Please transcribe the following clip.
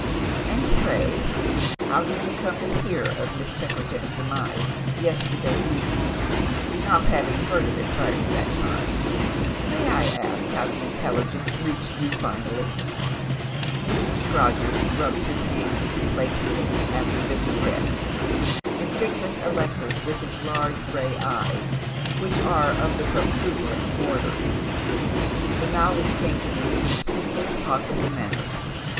" And pray how did you come to hear of Miss Secretan's demise yesterday evening, not having heard of it prior to that time ? May I ask how the intelligence reached you finally ?" Mr. Scrodgers rubs his hands complacently after this address, ^nd fixes Alexis with his large gray eyes, which are of the pro tuberant order. " The knowledge came to me in the simplest possible manner.